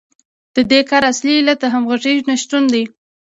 د دې کار اصلي علت د همغږۍ نشتون دی